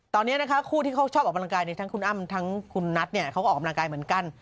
ตอนนี้นะคะคู่ที่เขาชอบออกกำลังกายทั้งคุณอ้ำทั้งคุณนัทเนี่ยเขาก็ออกกำลังกายเหมือนกัน